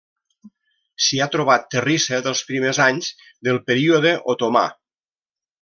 S'hi ha trobat terrissa dels primers anys del període otomà.